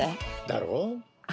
だろ？